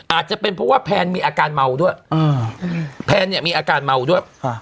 อาจจะเป็นเพราะว่าแพนมีอาการเมาด้วยแพนเนี่ยมีอาการเมาด้วย